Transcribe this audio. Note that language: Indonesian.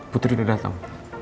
putri udah datang